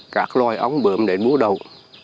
các loài ống bượm để bú đầu